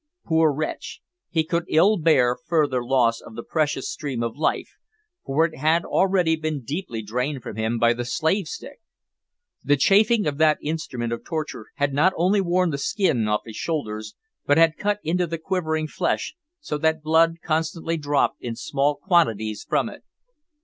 Poor wretch; he could ill bear further loss of the precious stream of life, for it had already been deeply drained from him by the slave stick. The chafing of that instrument of torture had not only worn the skin off his shoulders, but had cut into the quivering flesh, so that blood constantly dropped in small quantities from it.